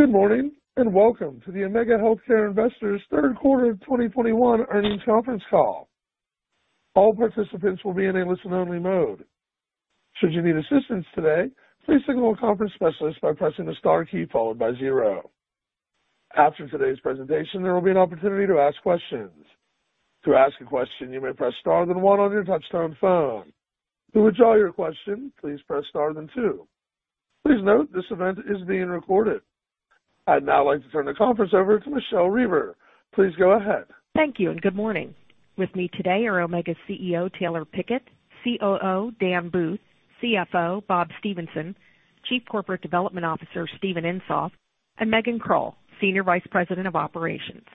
Good morning, and welcome to the Omega Healthcare Investors third quarter 2021 earnings conference call. All participants will be in a listen-only mode. Should you need assistance today, please signal a conference specialist by pressing the star key followed by zero. After today's presentation, there will be an opportunity to ask questions. To ask a question, you may press star then one on your touchtone phone. To withdraw your question, please press star then two. Please note this event is being recorded. I'd now like to turn the conference over to Michele Reber. Please go ahead. Thank you and good morning. With me today are Omega CEO Taylor Pickett, COO Dan Booth, CFO Bob Stephenson, Chief Corporate Development Officer Steven Insoft, and Megan Krull, Senior Vice President of Operations.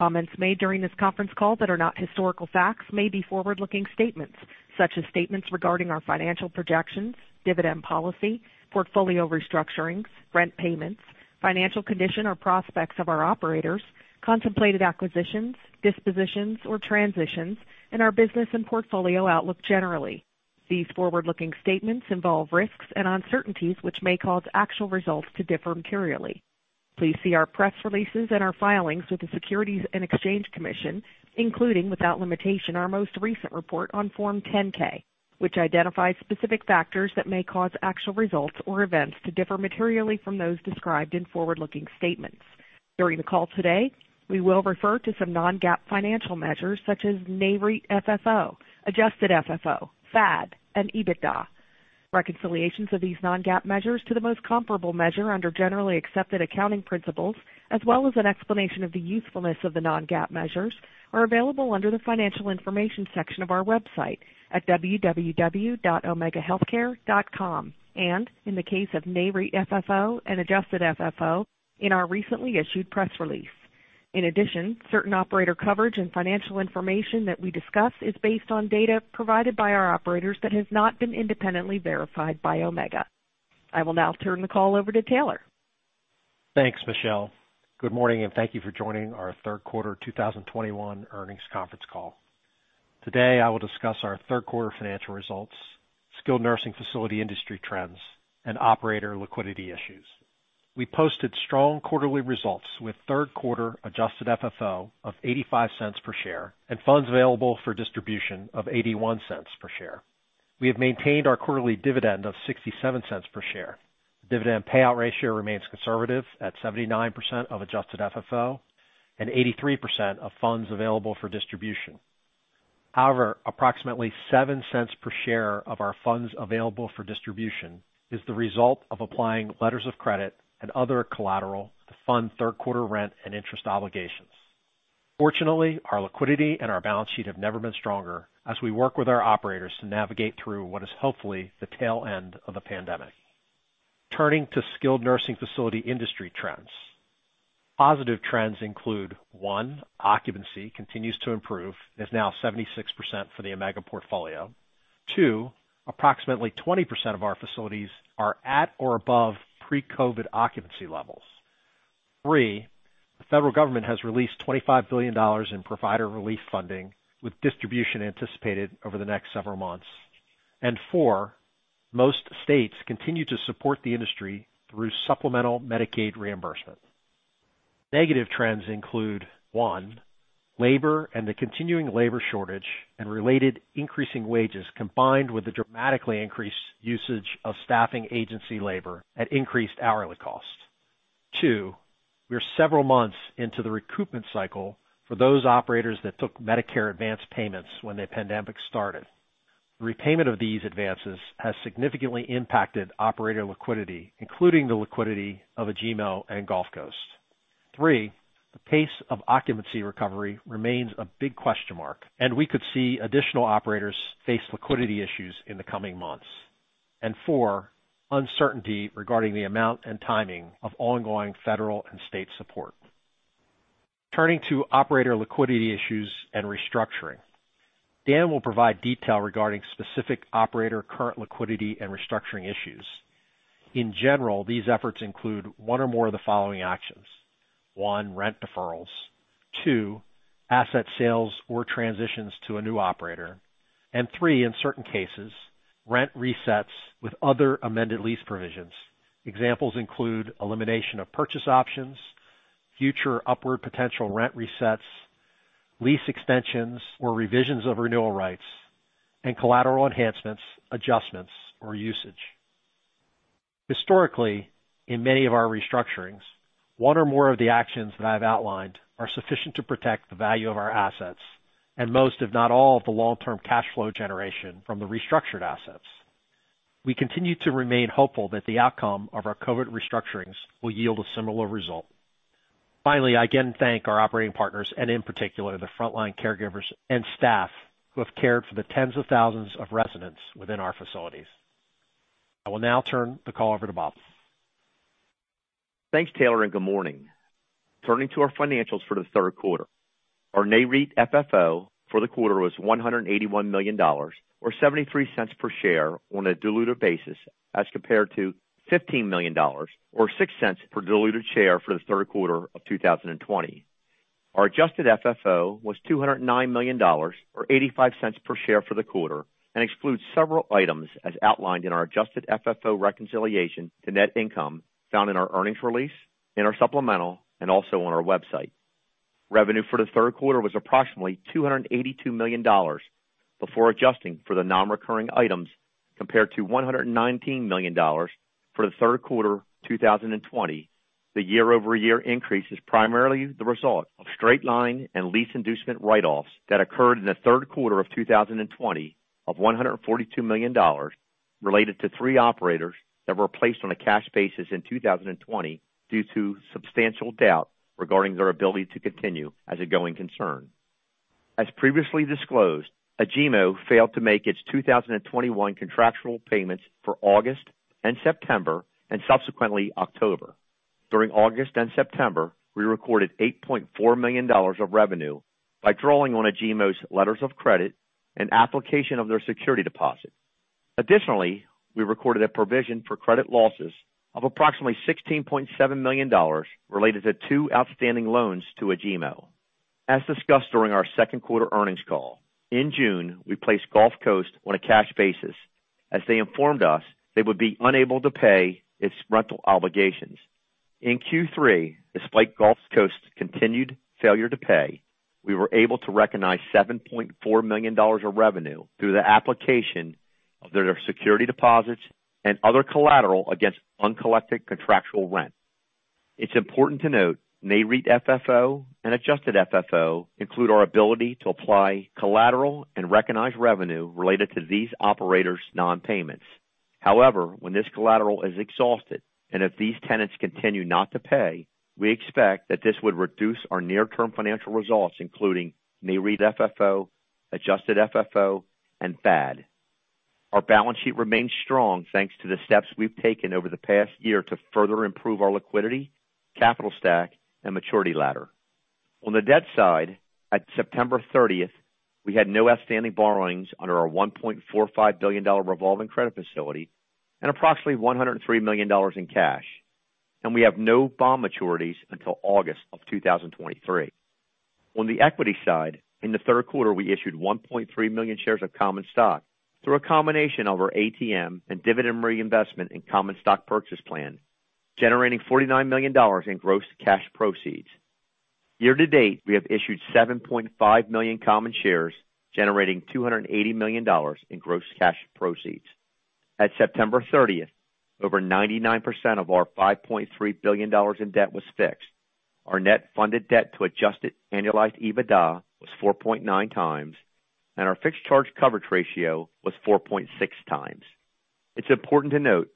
Comments made during this conference call that are not historical facts may be forward-looking statements such as statements regarding our financial projections, dividend policy, portfolio restructurings, rent payments, financial condition or prospects of our operators, contemplated acquisitions, dispositions or transitions, and our business and portfolio outlook generally. These forward-looking statements involve risks and uncertainties which may cause actual results to differ materially. Please see our press releases and our filings with the Securities and Exchange Commission, including, without limitation, our most recent report on Form 10-K, which identifies specific factors that may cause actual results or events to differ materially from those described in forward-looking statements. During the call today, we will refer to some non-GAAP financial measures such as NAREIT FFO, adjusted FFO, FAD, and EBITDA. Reconciliations of these non-GAAP measures to the most comparable measure under generally accepted accounting principles, as well as an explanation of the usefulness of the non-GAAP measures, are available under the Financial Information section of our website at www.omegahealthcare.com and, in the case of NAREIT FFO and adjusted FFO, in our recently issued press release. In addition, certain operator coverage and financial information that we discuss is based on data provided by our operators that has not been independently verified by Omega. I will now turn the call over to Taylor. Thanks, Michelle. Good morning, and thank you for joining our third quarter 2021 earnings conference call. Today, I will discuss our third quarter financial results, skilled nursing facility industry trends, and operator liquidity issues. We posted strong quarterly results with third quarter adjusted FFO of $0.85 per share and funds available for distribution of $0.81 per share. We have maintained our quarterly dividend of $0.67 per share. Dividend payout ratio remains conservative at 79% of adjusted FFO and 83% of funds available for distribution. However, approximately $0.07 per share of our funds available for distribution is the result of applying letters of credit and other collateral to fund third quarter rent and interest obligations. Fortunately, our liquidity and our balance sheet have never been stronger as we work with our operators to navigate through what is hopefully the tail end of the pandemic. Turning to skilled nursing facility industry trends. Positive trends include, one, occupancy continues to improve and is now 76% for the Omega portfolio. Two, approximately 20% of our facilities are at or above pre-COVID occupancy levels. Three, the federal government has released $25 billion in provider relief funding, with distribution anticipated over the next several months. Four, most states continue to support the industry through supplemental Medicaid reimbursement. Negative trends include, one, labor and the continuing labor shortage and related increasing wages, combined with the dramatically increased usage of staffing agency labor at increased hourly costs. Two, we are several months into the recoupment cycle for those operators that took Medicare advance payments when the pandemic started. Repayment of these advances has significantly impacted operator liquidity, including the liquidity of Agemo and Gulf Coast. Three, the pace of occupancy recovery remains a big question mark, and we could see additional operators face liquidity issues in the coming months. Four, uncertainty regarding the amount and timing of ongoing federal and state support. Turning to operator liquidity issues and restructuring. Dan will provide detail regarding specific operator current liquidity and restructuring issues. In general, these efforts include one or more of the following actions. One, rent deferrals. Two, asset sales or transitions to a new operator. Three, in certain cases, rent resets with other amended lease provisions. Examples include elimination of purchase options, future upward potential rent resets, lease extensions or revisions of renewal rights, and collateral enhancements, adjustments or usage. Historically, in many of our restructurings, one or more of the actions that I've outlined are sufficient to protect the value of our assets and most, if not all, of the long-term cash flow generation from the restructured assets. We continue to remain hopeful that the outcome of our COVID restructurings will yield a similar result. Finally, I again thank our operating partners and in particular the frontline caregivers and staff who have cared for the tens of thousands of residents within our facilities. I will now turn the call over to Bob. Thanks, Taylor, and good morning. Turning to our financials for the third quarter. Our NAREIT FFO for the quarter was $181 million, or $0.73 per share on a diluted basis as compared to $15 million or $0.06 per diluted share for the third quarter of 2020. Our adjusted FFO was $209 million or $0.85 per share for the quarter and excludes several items as outlined in our adjusted FFO reconciliation to net income found in our earnings release, in our supplemental, and also on our website. Revenue for the third quarter was approximately $282 million before adjusting for the non-recurring items compared to $119 million for the third quarter 2020. The year-over-year increase is primarily the result of straight-line and lease inducement write-offs that occurred in the third quarter of 2020 of $142 million related to three operators that were placed on a cash basis in 2020 due to substantial doubt regarding their ability to continue as a going concern. As previously disclosed, Agemo failed to make its 2021 contractual payments for August and September and subsequently October. During August and September, we recorded $8.4 million of revenue by drawing on Agemo's letters of credit and application of their security deposit. Additionally, we recorded a provision for credit losses of approximately $16.7 million related to two outstanding loans to Agemo. As discussed during our second quarter earnings call, in June, we placed Gulf Coast on a cash basis as they informed us they would be unable to pay its rental obligations. In Q3, despite Gulf Coast's continued failure to pay, we were able to recognize $7.4 million of revenue through the application of their security deposits and other collateral against uncollected contractual rent. It's important to note NAREIT FFO and adjusted FFO include our ability to apply collateral and recognize revenue related to these operators' non-payments. However, when this collateral is exhausted, and if these tenants continue not to pay, we expect that this would reduce our near-term financial results, including NAREIT FFO, adjusted FFO, and FAD. Our balance sheet remains strong thanks to the steps we've taken over the past year to further improve our liquidity, capital stack, and maturity ladder. On the debt side, at September thirtieth, we had no outstanding borrowings under our $1.45 billion revolving credit facility and approximately $103 million in cash, and we have no bond maturities until August of 2023. On the equity side, in the third quarter, we issued 1.3 million shares of common stock through a combination of our ATM and dividend reinvestment in common stock purchase plan, generating $49 million in gross cash proceeds. Year-to-date, we have issued 7.5 million common shares, generating $280 million in gross cash proceeds. At September 30, over 99% of our $5.3 billion in debt was fixed. Our net funded debt to adjusted annualized EBITDA was 4.9x, and our fixed charge coverage ratio was 4.6x. It's important to note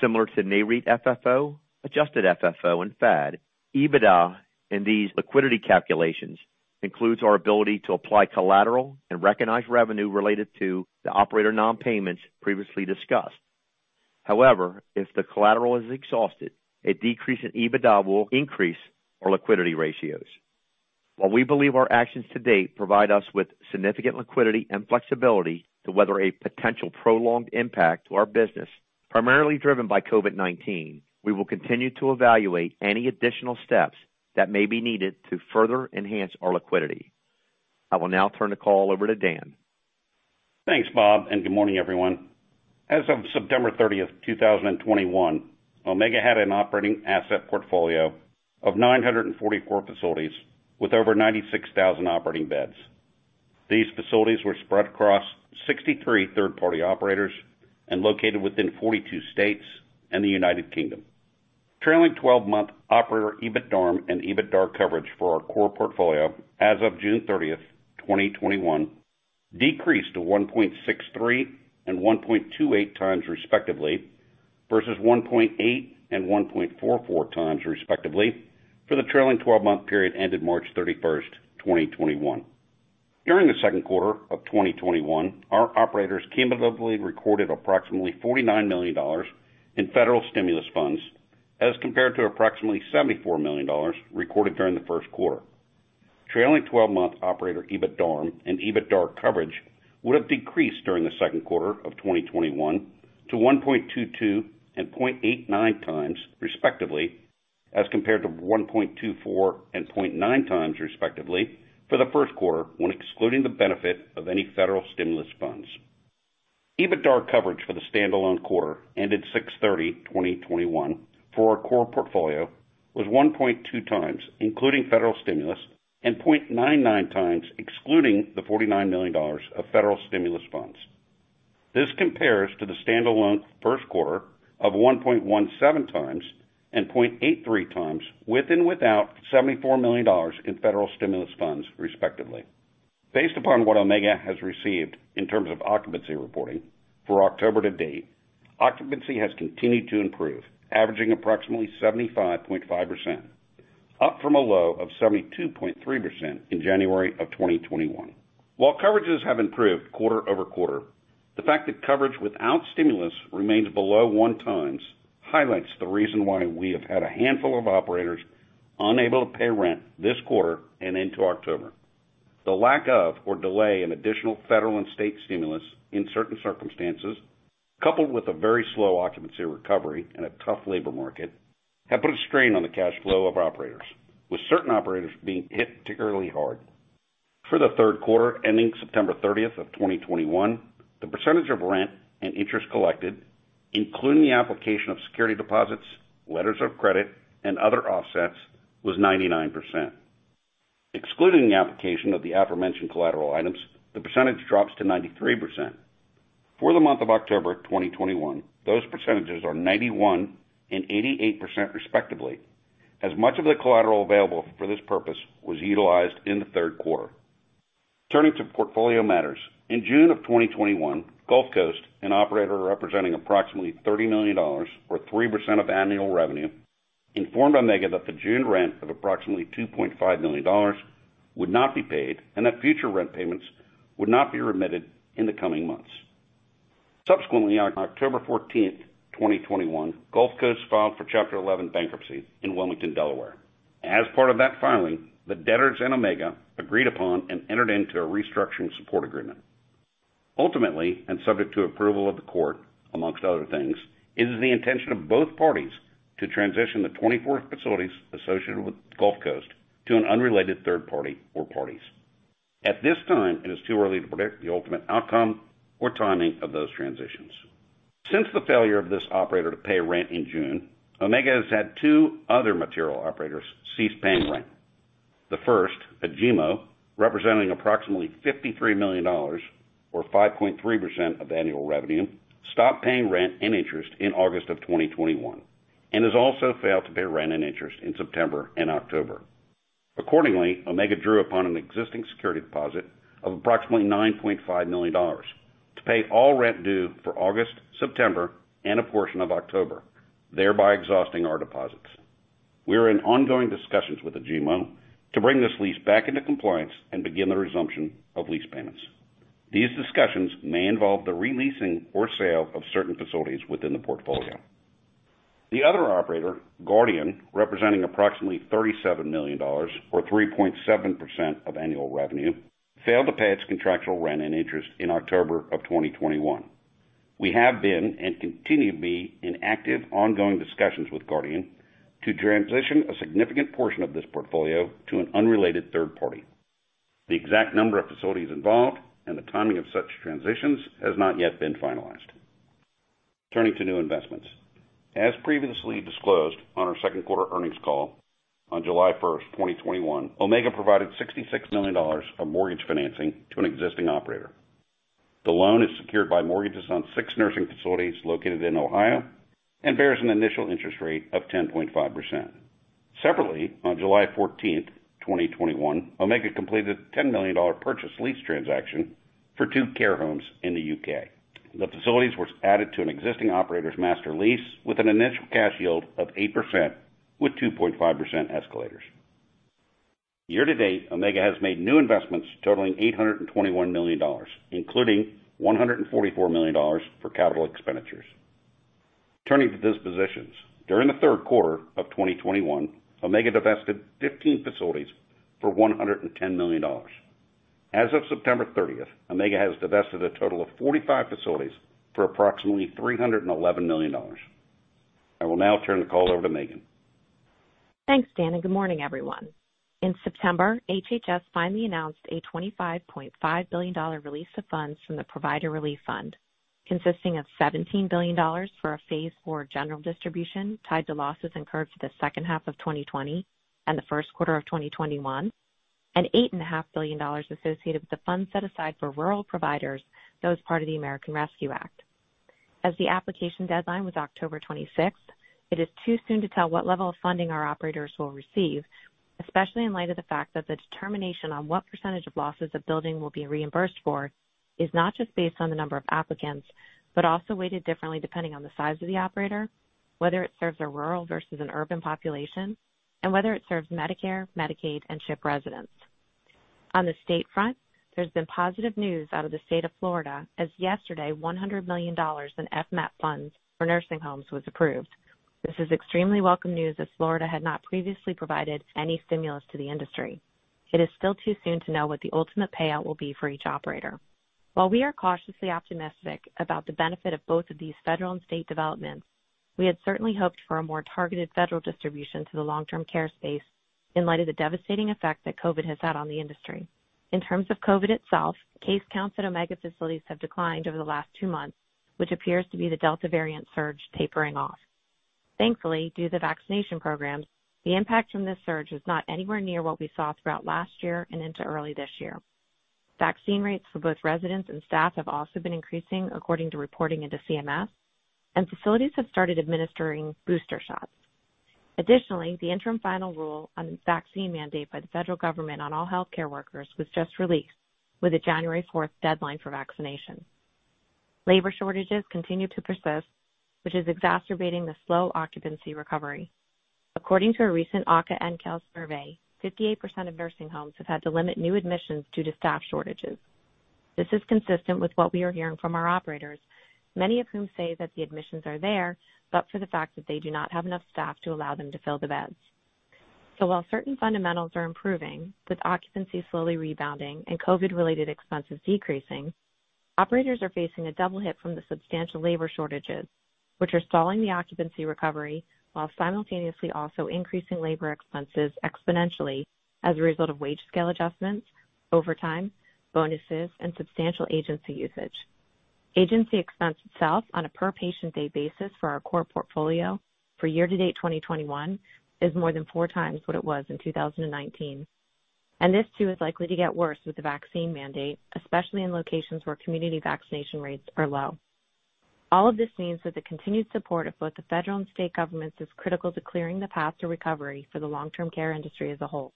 similar to NAREIT FFO, adjusted FFO, and FAD, EBITDA in these liquidity calculations includes our ability to apply collateral and recognize revenue related to the operator non-payments previously discussed. However, if the collateral is exhausted, a decrease in EBITDA will increase our liquidity ratios. While we believe our actions to date provide us with significant liquidity and flexibility to weather a potential prolonged impact to our business, primarily driven by COVID-19, we will continue to evaluate any additional steps that may be needed to further enhance our liquidity. I will now turn the call over to Dan. Thanks, Bob, and good morning, everyone. As of September 30, 2021, Omega had an operating asset portfolio of 944 facilities with over 96,000 operating beds. These facilities were spread across 63 third-party operators and located within 42 states and the United Kingdom. Trailing twelve-month operator EBITDARM and EBITDAR coverage for our core portfolio as of June 30, 2021 decreased to 1.63 and 1.28 times respectively versus 1.8 and 1.44 times respectively for the trailing twelve-month period ended March 31, 2021. During the second quarter of 2021, our operators cumulatively recorded approximately $49 million in federal stimulus funds as compared to approximately $74 million recorded during the first quarter. Trailing twelve-month operator EBITDARM and EBITDAR coverage would have decreased during the second quarter of 2021 to 1.22x and 0.89x respectively, as compared to 1.24x and 0.9x respectively for the first quarter when excluding the benefit of any federal stimulus funds. EBITDAR coverage for the standalone quarter ended 6/30/2021 for our core portfolio was 1.2x including federal stimulus and 0.99x excluding the $49 million of federal stimulus funds. This compares to the standalone first quarter of 1.17x and 0.83x with and without $74 million in federal stimulus funds respectively. Based upon what Omega has received in terms of occupancy reporting for October to date, occupancy has continued to improve, averaging approximately 75.5%, up from a low of 72.3% in January of 2021. While coverages have improved quarter-over-quarter, the fact that coverage without stimulus remains below 1x highlights the reason why we have had a handful of operators unable to pay rent this quarter and into October. The lack of or delay in additional federal and state stimulus in certain circumstances, coupled with a very slow occupancy recovery and a tough labor market, have put a strain on the cash flow of operators, with certain operators being hit particularly hard. For the third quarter ending September 30, 2021, the percentage of rent and interest collected, including the application of security deposits, letters of credit, and other offsets, was 99%. Excluding the application of the aforementioned collateral items, the percentage drops to 93%. For the month of October 2021, those percentages are 91% and 88% respectively, as much of the collateral available for this purpose was utilized in the third quarter. Turning to portfolio matters. In June 2021, Gulf Coast, an operator representing approximately $30 million, or 3% of annual revenue, informed Omega that the June rent of approximately $2.5 million would not be paid, and that future rent payments would not be remitted in the coming months. Subsequently, on October 14, 2021, Gulf Coast filed for Chapter 11 bankruptcy in Wilmington, Delaware. As part of that filing, the debtors and Omega agreed upon and entered into a restructuring support agreement. Ultimately, and subject to approval of the court, amongst other things, it is the intention of both parties to transition the 24 facilities associated with Gulf Coast to an unrelated third party or parties. At this time, it is too early to predict the ultimate outcome or timing of those transitions. Since the failure of this operator to pay rent in June, Omega has had two other material operators cease paying rent. The first, Agemo, representing approximately $53 million, or 5.3% of annual revenue, stopped paying rent and interest in August of 2021, and has also failed to pay rent and interest in September and October. Accordingly, Omega drew upon an existing security deposit of approximately $9.5 million to pay all rent due for August, September, and a portion of October, thereby exhausting our deposits. We are in ongoing discussions with Agemo to bring this lease back into compliance and begin the resumption of lease payments. These discussions may involve the re-leasing or sale of certain facilities within the portfolio. The other operator, Guardian, representing approximately $37 million, or 3.7% of annual revenue, failed to pay its contractual rent and interest in October of 2021. We have been, and continue to be, in active, ongoing discussions with Guardian to transition a significant portion of this portfolio to an unrelated third party. The exact number of facilities involved and the timing of such transitions has not yet been finalized. Turning to new investments. As previously disclosed on our second quarter earnings call on July 1, 2021, Omega provided $66 million of mortgage financing to an existing operator. The loan is secured by mortgages on 6 nursing facilities located in Ohio and bears an initial interest rate of 10.5%. Separately, on July 14, 2021, Omega completed a $10 million purchase lease transaction for 2 care homes in the U.K. The facilities were added to an existing operator's master lease with an initial cash yield of 8% with 2.5% escalators. Year to date, Omega has made new investments totaling $821 million, including $144 million for capital expenditures. Turning to dispositions. During the third quarter of 2021, Omega divested 15 facilities for $110 million. As of September 30th, Omega has divested a total of 45 facilities for approximately $311 million. I will now turn the call over to Megan. Thanks, Dan, and good morning, everyone. In September, HHS finally announced a $25.5 billion release of funds from the Provider Relief Fund, consisting of $17 billion for a phase four general distribution tied to losses incurred for the second half of 2020 and the first quarter of 2021, and $8.5 billion associated with the funds set aside for rural providers that was part of the American Rescue Plan Act. As the application deadline was October 26th, it is too soon to tell what level of funding our operators will receive, especially in light of the fact that the determination on what percentage of losses a building will be reimbursed for is not just based on the number of applicants, but also weighted differently depending on the size of the operator, whether it serves a rural versus an urban population, and whether it serves Medicare, Medicaid, and CHIP residents. On the state front, there's been positive news out of the state of Florida, as yesterday $100 million in FMAP funds for nursing homes was approved. This is extremely welcome news, as Florida had not previously provided any stimulus to the industry. It is still too soon to know what the ultimate payout will be for each operator. While we are cautiously optimistic about the benefit of both of these federal and state developments, we had certainly hoped for a more targeted federal distribution to the long-term care space in light of the devastating effect that COVID has had on the industry. In terms of COVID itself, case counts at Omega facilities have declined over the last two months, which appears to be the Delta variant surge tapering off. Thankfully, due to the vaccination programs, the impact from this surge was not anywhere near what we saw throughout last year and into early this year. Vaccine rates for both residents and staff have also been increasing according to reporting into CMS, and facilities have started administering booster shots. Additionally, the interim final rule on vaccine mandate by the federal government on all healthcare workers was just released with a January fourth deadline for vaccination. Labor shortages continue to persist, which is exacerbating the slow occupancy recovery. According to a recent AHCA/NCAL survey, 58% of nursing homes have had to limit new admissions due to staff shortages. This is consistent with what we are hearing from our operators, many of whom say that the admissions are there, but for the fact that they do not have enough staff to allow them to fill the beds. While certain fundamentals are improving, with occupancy slowly rebounding and COVID-related expenses decreasing, operators are facing a double hit from the substantial labor shortages, which are stalling the occupancy recovery while simultaneously also increasing labor expenses exponentially as a result of wage scale adjustments, overtime, bonuses, and substantial agency usage. Agency expense itself on a per patient day basis for our core portfolio for year to date 2021 is more than 4 times what it was in 2019. This too, is likely to get worse with the vaccine mandate, especially in locations where community vaccination rates are low. All of this means that the continued support of both the federal and state governments is critical to clearing the path to recovery for the long term care industry as a whole.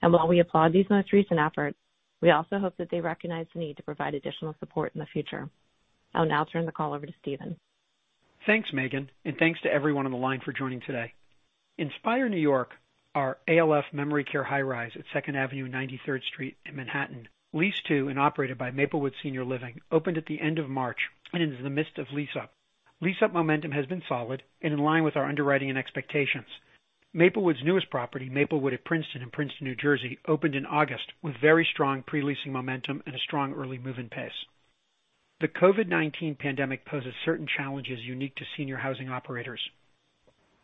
While we applaud these most recent efforts, we also hope that they recognize the need to provide additional support in the future. I'll now turn the call over to Steven. Thanks, Megan, and thanks to everyone on the line for joining today. Inspīr Carnegie Hill, our ALF memory care high-rise at 2nd Avenue and 93rd Street in Manhattan, leased to and operated by Maplewood Senior Living, opened at the end of March and is in the midst of lease-up. Lease-up momentum has been solid and in line with our underwriting and expectations. Maplewood's newest property, Maplewood at Princeton in Princeton, New Jersey, opened in August with very strong pre-leasing momentum and a strong early move-in pace. The COVID-19 pandemic poses certain challenges unique to senior housing operators.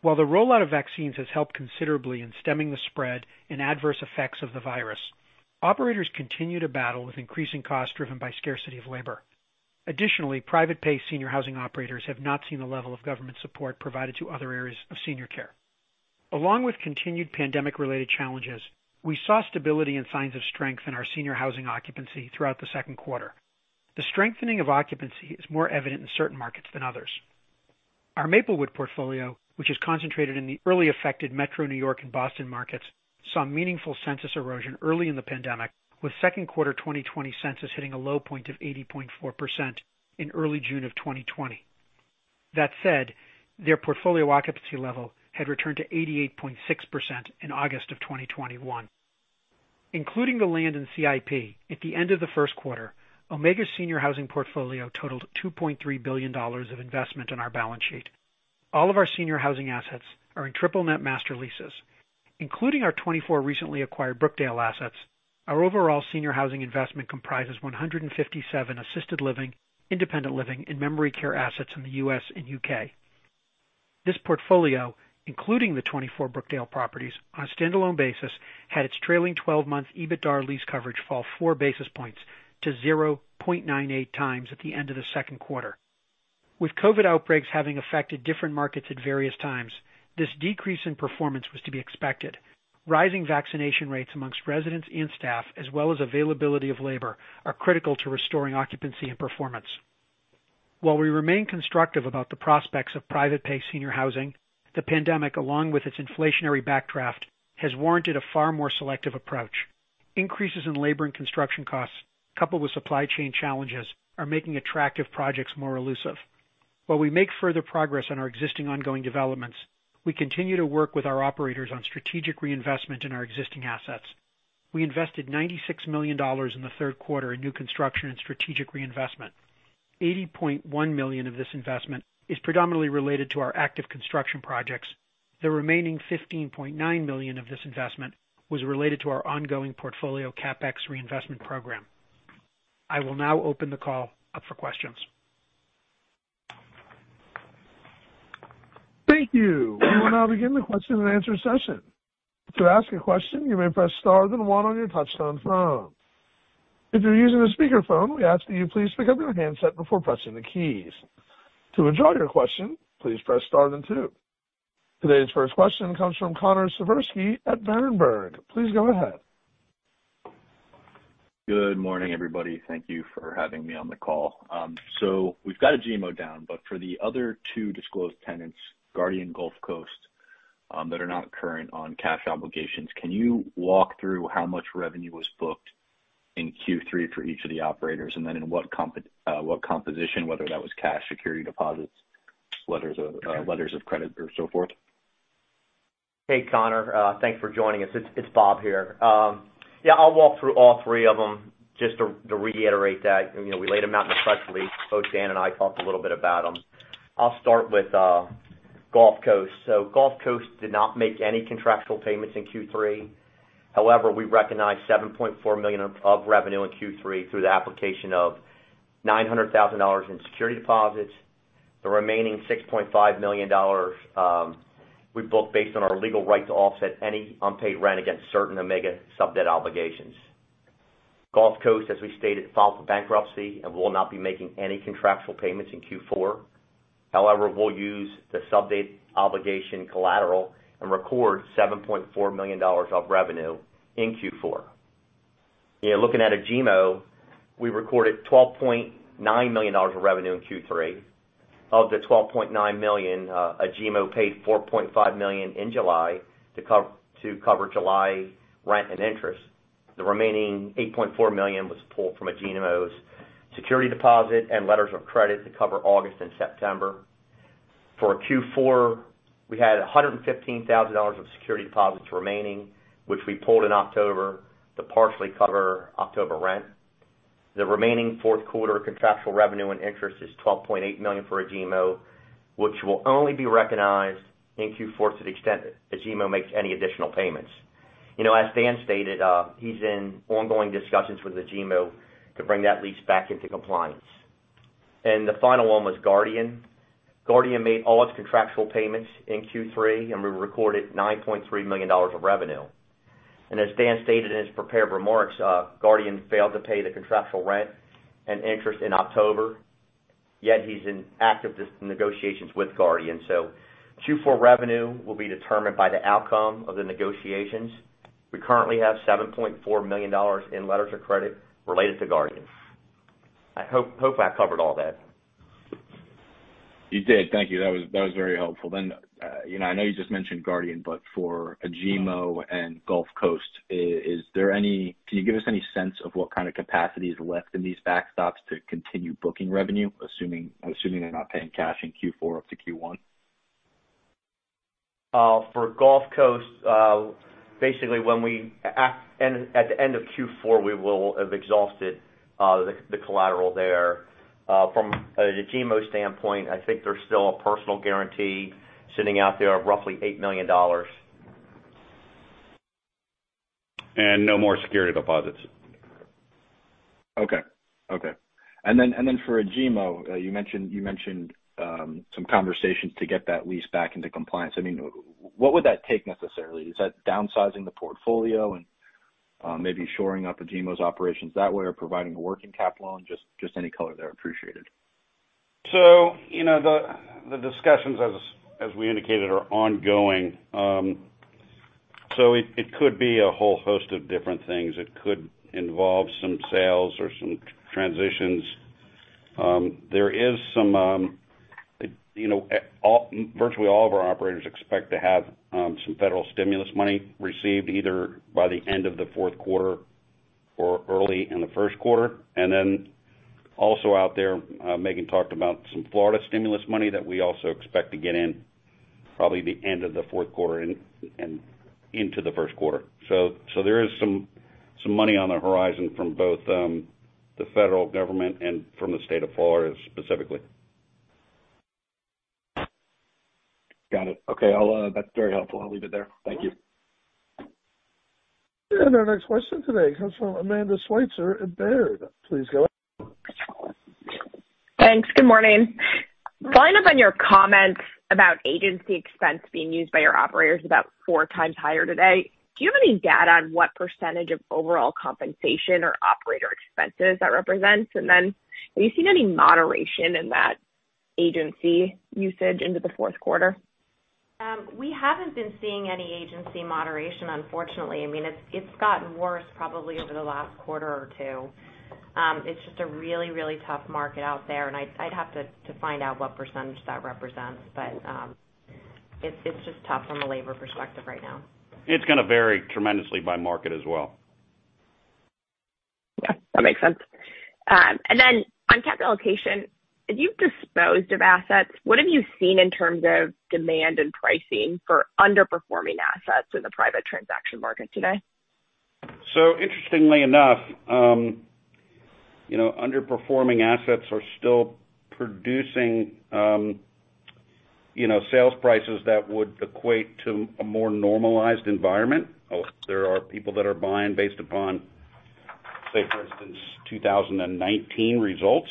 While the rollout of vaccines has helped considerably in stemming the spread and adverse effects of the virus, operators continue to battle with increasing costs driven by scarcity of labor. Additionally, private pay senior housing operators have not seen the level of government support provided to other areas of senior care. Along with continued pandemic related challenges, we saw stability and signs of strength in our senior housing occupancy throughout the second quarter. The strengthening of occupancy is more evident in certain markets than others. Our Maplewood portfolio, which is concentrated in the early affected metro New York and Boston markets, saw meaningful census erosion early in the pandemic, with second quarter 2020 census hitting a low point of 80.4% in early June of 2020. That said, their portfolio occupancy level had returned to 88.6% in August of 2021. Including the land in CIP at the end of the first quarter, Omega's senior housing portfolio totaled $2.3 billion of investment on our balance sheet. All of our senior housing assets are in triple net master leases, including our 24 recently acquired Brookdale assets. Our overall senior housing investment comprises 157 assisted living, independent living and memory care assets in the U.S. and U.K. This portfolio, including the 24 Brookdale properties on a standalone basis, had its trailing twelve month EBITDAR lease coverage fall 4 basis points to 0.98 times at the end of the second quarter. With COVID outbreaks having affected different markets at various times, this decrease in performance was to be expected. Rising vaccination rates among residents and staff, as well as availability of labor, are critical to restoring occupancy and performance. While we remain constructive about the prospects of private pay senior housing, the pandemic, along with its inflationary backdraft, has warranted a far more selective approach. Increases in labor and construction costs, coupled with supply chain challenges, are making attractive projects more elusive. While we make further progress on our existing ongoing developments, we continue to work with our operators on strategic reinvestment in our existing assets. We invested $96 million in the third quarter in new construction and strategic reinvestment. $80.1 million of this investment is predominantly related to our active construction projects. The remaining $15.9 million of this investment was related to our ongoing portfolio CapEx reinvestment program. I will now open the call up for questions. Thank you. We will now begin the question and answer session. To ask a question, you may press star then one on your touchtone phone. If you're using a speaker phone, we ask that you please pick up your handset before pressing the keys. To withdraw your question, please press star then two. Today's first question comes from Connor Siversky at Berenberg. Please go ahead. Good morning, everybody. Thank you for having me on the call. We've got a Agemo down, but for the other two disclosed tenants, Guardian, Gulf Coast, that are not current on cash obligations, can you walk through how much revenue was booked in Q3 for each of the operators? In what composition, whether that was cash security deposits, letters of credit or so forth? Hey, Connor. Thanks for joining us. It's Bob here. Yeah, I'll walk through all three of them. Just to reiterate that, you know, we laid them out in the press release. Both Dan and I talked a little bit about them. I'll start with Gulf Coast. Gulf Coast did not make any contractual payments in Q3. However, we recognized $7.4 million of revenue in Q3 through the application of $900,000 in security deposits. The remaining $6.5 million, we booked based on our legal right to offset any unpaid rent against certain Omega sub debt obligations. Gulf Coast, as we stated, filed for bankruptcy and will not be making any contractual payments in Q4. However, we'll use the sub debt obligation collateral and record $7.4 million of revenue in Q4. Yeah, looking at Agemo, we recorded $12.9 million of revenue in Q3. Of the $12.9 million, Agemo paid $4.5 million in July to cover July rent and interest. The remaining $8.4 million was pulled from Agemo's security deposit and letters of credit to cover August and September. For Q4, we had $115,000 of security deposits remaining, which we pulled in October to partially cover October rent. The remaining fourth quarter contractual revenue and interest is $12.8 million for Agemo, which will only be recognized in Q4 to the extent that Agemo makes any additional payments. You know, as Dan stated, he's in ongoing discussions with Agemo to bring that lease back into compliance. The final one was Guardian. Guardian made all its contractual payments in Q3, and we recorded $9.3 million of revenue. As Dan stated in his prepared remarks, Guardian failed to pay the contractual rent and interest in October, yet we're in active negotiations with Guardian. Q4 revenue will be determined by the outcome of the negotiations. We currently have $7.4 million in letters of credit related to Guardian. I hope I covered all that. You did. Thank you. That was very helpful. You know, I know you just mentioned Guardian, but for Agemo and Gulf Coast, can you give us any sense of what kind of capacity is left in these backstops to continue booking revenue, assuming they're not paying cash in Q4 up to Q1? For Gulf Coast, basically, at the end of Q4, we will have exhausted the collateral there. From an Agemo standpoint, I think there's still a personal guarantee sitting out there of roughly $8 million. No more security deposits. Okay. For Agemo, you mentioned some conversations to get that lease back into compliance. I mean, what would that take necessarily? Is that downsizing the portfolio and maybe shoring up Agemo's operations that way or providing a working capital loan? Just any color there appreciated. You know, the discussions as we indicated are ongoing. It could be a whole host of different things. It could involve some sales or some transitions. You know, virtually all of our operators expect to have some federal stimulus money received either by the end of the fourth quarter or early in the first quarter. Then also out there, Megan talked about some Florida stimulus money that we also expect to get in probably the end of the fourth quarter and into the first quarter. There is some money on the horizon from both the federal government and from the state of Florida specifically. Got it. Okay. That's very helpful. I'll leave it there. Thank you. Our next question today comes from Amanda Sweitzer at Baird. Please go ahead. Thanks. Good morning. Following up on your comments about agency expense being used by your operators about four times higher today, do you have any data on what percentage of overall compensation or operator expenses that represents? Have you seen any moderation in that agency usage into the fourth quarter? We haven't been seeing any agency moderation, unfortunately. I mean, it's gotten worse probably over the last quarter or two. It's just a really, really tough market out there, and I'd have to find out what percentage that represents. It's just tough from a labor perspective right now. It's gonna vary tremendously by market as well. Yeah, that makes sense. On capital allocation, as you've disposed of assets, what have you seen in terms of demand and pricing for underperforming assets in the private transaction market today? Interestingly enough, you know, underperforming assets are still producing, you know, sales prices that would equate to a more normalized environment. There are people that are buying based upon, say, for instance, 2019 results,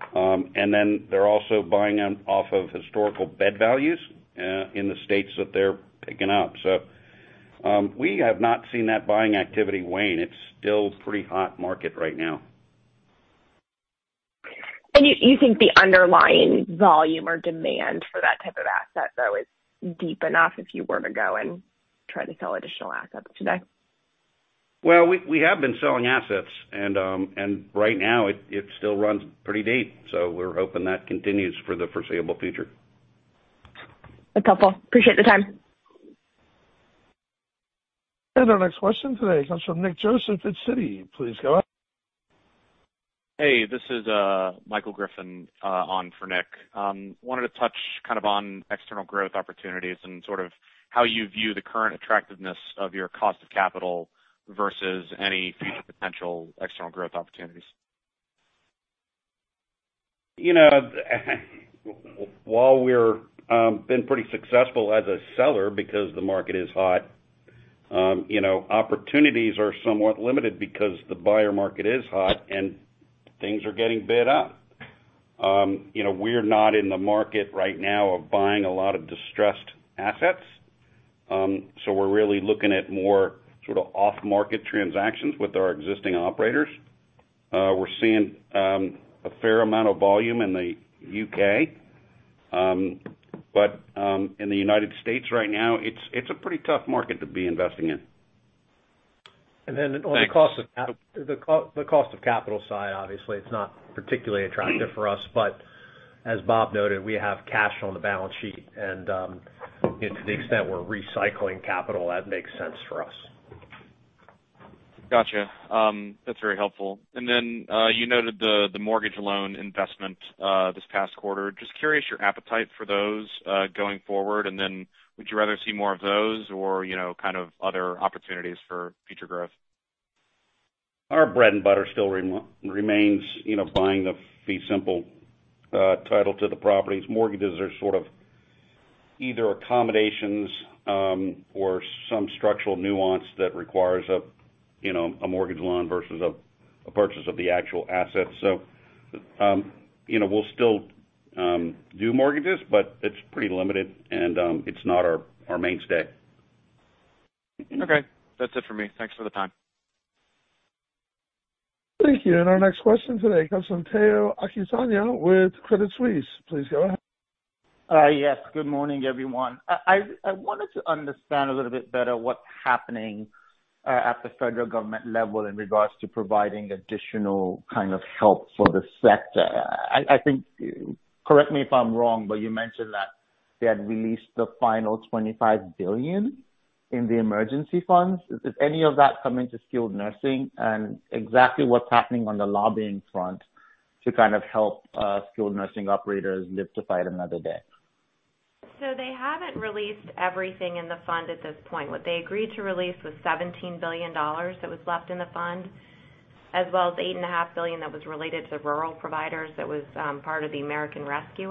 pre-pandemic. Then they're also buying them off of historical bed values in the states that they're picking up. We have not seen that buying activity wane. It's still pretty hot market right now. You think the underlying volume or demand for that type of asset, though, is deep enough if you were to go and try to sell additional assets today? Well, we have been selling assets and right now it still runs pretty deep, so we're hoping that continues for the foreseeable future. That's helpful. I appreciate the time. Our next question today comes from Nick Joseph at Citi. Please go ahead. Hey, this is Michael Griffin on for Nick. I wanted to touch kind of on external growth opportunities and sort of how you view the current attractiveness of your cost of capital versus any future potential external growth opportunities. You know, while we've been pretty successful as a seller because the market is hot, you know, opportunities are somewhat limited because the buyer market is hot and things are getting bid up. You know, we're not in the market right now of buying a lot of distressed assets, so we're really looking at more sort of off-market transactions with our existing operators. We're seeing a fair amount of volume in the U.K. In the United States right now, it's a pretty tough market to be investing in. Thanks. On the cost of capital side, obviously, it's not particularly attractive for us. As Bob noted, we have cash on the balance sheet and, you know, to the extent we're recycling capital, that makes sense for us. Gotcha. That's very helpful. You noted the mortgage loan investment this past quarter. Just curious your appetite for those going forward, and would you rather see more of those or, you know, kind of other opportunities for future growth? Our bread and butter still remains, you know, buying the fee simple title to the properties. Mortgages are sort of either accommodations, or some structural nuance that requires a, you know, a mortgage loan versus a purchase of the actual asset. You know, we'll still do mortgages, but it's pretty limited and, it's not our mainstay. Okay. That's it for me. Thanks for the time. Thank you. Our next question today comes from Tayo Okusanya with Credit Suisse. Please go ahead. Yes. Good morning, everyone. I wanted to understand a little bit better what's happening at the federal government level in regards to providing additional kind of help for the sector. I think, correct me if I'm wrong, but you mentioned that they had released the final $25 billion in the emergency funds. Is any of that coming to skilled nursing? And exactly what's happening on the lobbying front to kind of help skilled nursing operators live to fight another day? They haven't released everything in the fund at this point. What they agreed to release was $17 billion that was left in the fund, as well as $8.5 billion that was related to rural providers that was part of the American Rescue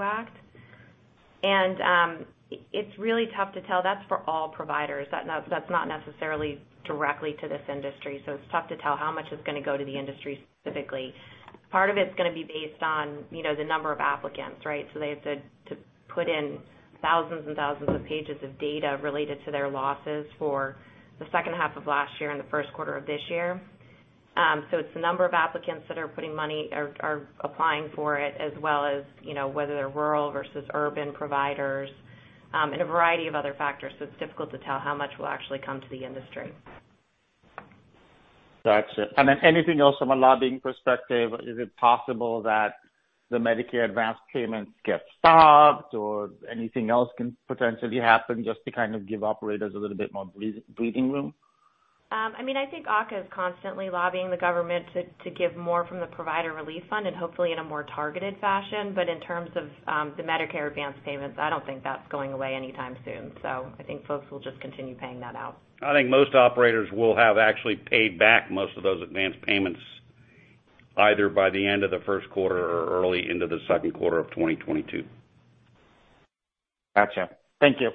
Plan Act. It's really tough to tell. That's for all providers. That's not necessarily directly to this industry, so it's tough to tell how much is gonna go to the industry specifically. Part of it's gonna be based on, you know, the number of applicants, right? They have to put in thousands and thousands of pages of data related to their losses for the second half of last year and the first quarter of this year. It's the number of applicants that are putting money or are applying for it, as well as, you know, whether they're rural versus urban providers, and a variety of other factors. It's difficult to tell how much will actually come to the industry. Gotcha. Anything else from a lobbying perspective, is it possible that the Medicare advanced payments get stopped or anything else can potentially happen just to kind of give operators a little bit more breathing room? I mean, I think AHCA is constantly lobbying the government to give more from the Provider Relief Fund and hopefully in a more targeted fashion. But in terms of the Medicare advanced payments, I don't think that's going away anytime soon. I think folks will just continue paying that out. I think most operators will have actually paid back most of those advanced payments either by the end of the first quarter or early into the second quarter of 2022. Gotcha. Thank you.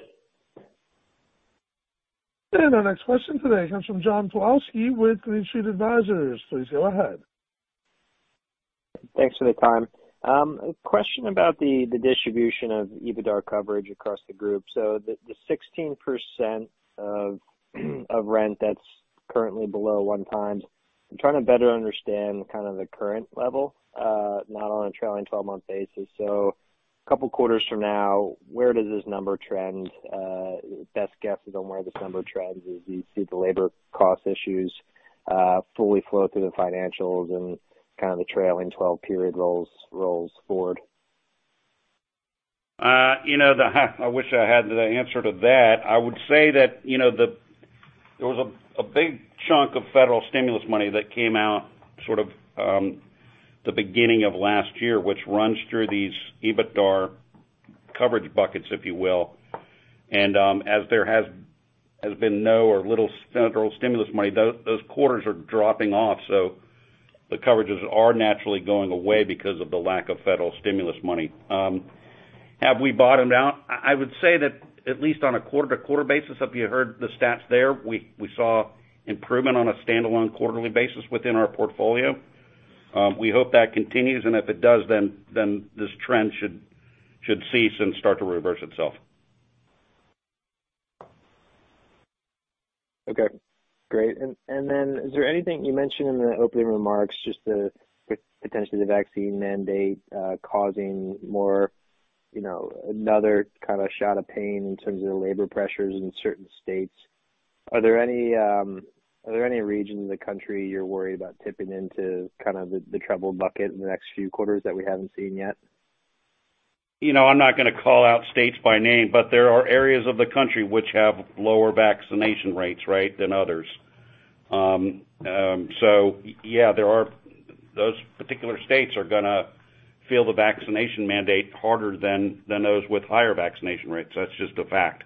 Our next question today comes from John Pawlowski with Green Street Advisors. Please go ahead. Thanks for the time. A question about the distribution of EBITDAR coverage across the group. The 16% of rent that's currently below one times, I'm trying to better understand kind of the current level, not on a trailing twelve-month basis. Couple quarters from now, where does this number trend? Best guess on where this number trends as you see the labor cost issues fully flow through the financials and kind of the trailing twelve period rolls forward. You know, I wish I had the answer to that. I would say that, you know, there was a big chunk of federal stimulus money that came out sort of the beginning of last year, which runs through these EBITDAR coverage buckets, if you will. As there has been no or little federal stimulus money, those quarters are dropping off. The coverages are naturally going away because of the lack of federal stimulus money. Have we bottomed out? I would say that at least on a quarter-to-quarter basis, if you heard the stats there, we saw improvement on a standalone quarterly basis within our portfolio. We hope that continues, and if it does then this trend should cease and start to reverse itself. Okay. Great. Is there anything you mentioned in the opening remarks with potentially the vaccine mandate causing more, you know, another kind of shot of pain in terms of the labor pressures in certain states? Are there any regions in the country you're worried about tipping into kind of the troubled bucket in the next few quarters that we haven't seen yet? You know, I'm not gonna call out states by name, but there are areas of the country which have lower vaccination rates, right, than others. Yeah, those particular states are gonna feel the vaccination mandate harder than those with higher vaccination rates. That's just a fact.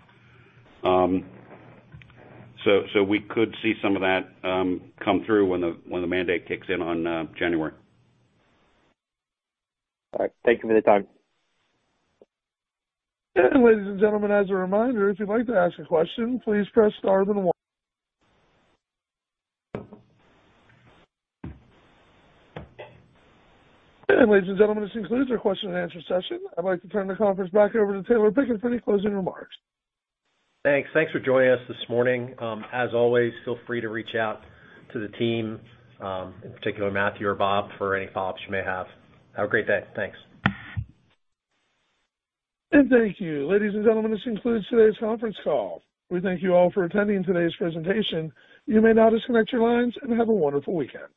So we could see some of that come through when the mandate kicks in on January. All right. Thank you for the time. Ladies and gentlemen, as a reminder, if you'd like to ask a question, please press star then one. Ladies and gentlemen, this concludes our question and answer session. I'd like to turn the conference back over to Taylor Pickett for any closing remarks. Thanks. Thanks for joining us this morning. As always, feel free to reach out to the team, in particular Matthew or Bob, for any follow-ups you may have. Have a great day. Thanks. Thank you. Ladies and gentlemen, this concludes today's conference call. We thank you all for attending today's presentation. You may now disconnect your lines, and have a wonderful weekend.